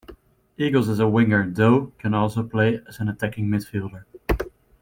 Eagles is a winger, though can also play as an attacking midfielder.